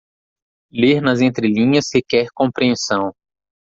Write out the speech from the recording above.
Ler nas entrelinhas requer compreensão.